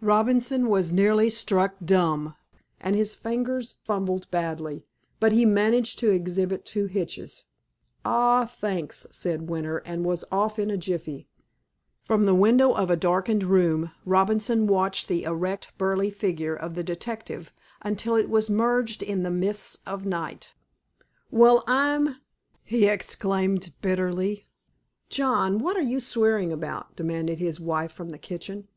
Robinson was nearly struck dumb, and his fingers fumbled badly, but he managed to exhibit two hitches. "Ah, thanks," said Winter, and was off in a jiffy. From the window of a darkened room Robinson watched the erect, burly figure of the detective until it was merged in the mists of night. "Well, I'm—," he exclaimed bitterly. "John, what are you swearing about?" demanded his wife from the kitchen.